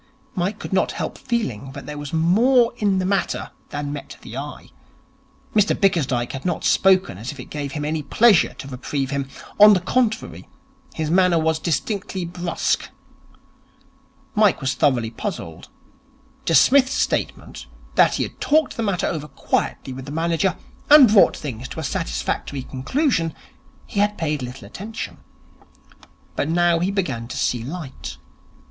Mike could not help feeling that there was more in the matter than met the eye. Mr Bickersdyke had not spoken as if it gave him any pleasure to reprieve him. On the contrary, his manner was distinctly brusque. Mike was thoroughly puzzled. To Psmith's statement, that he had talked the matter over quietly with the manager and brought things to a satisfactory conclusion, he had paid little attention. But now he began to see light.